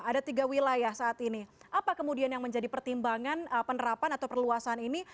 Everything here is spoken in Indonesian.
ada tiga wilayah saat ini apa kemudian yang menjadi pertimbangan penerapan atau perluasan ini